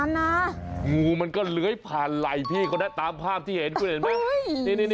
งูมันก็เลื้อยผ่านไหล่พี่คนนั้นตามภาพที่เห็นคุณเห็นไหม